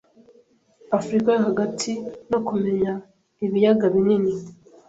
Afurika yo hagati no kumenya ibiyaga binini.